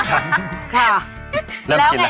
สอนแล้วไม่ต้องตกใจนะคะ